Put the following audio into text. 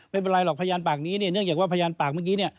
ไม่เป็นไรหรอกพยานปากนี้เนี่ยเนื่องจากว่าพยานปากเมื่อกี้เนี่ย